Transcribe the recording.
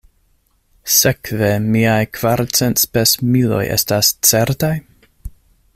Sekve miaj kvarcent spesmiloj estas certaj?